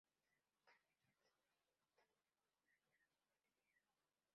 Fue un prominente senador, que contaba con el favor del emperador Galieno.